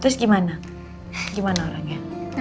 terus gimana gimana orangnya